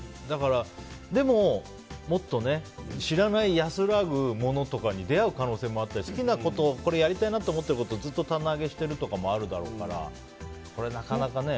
でももっと知らない安らぐものとかに出会う可能性もあったり好きなこと、これやりたいなと思ってることをずっと棚上げしてるとかもあるだろうから、なかなかね。